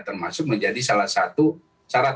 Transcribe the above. termasuk menjadi salah satu syarat